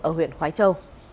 ở huyện khói châu